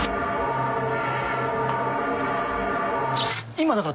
今だから。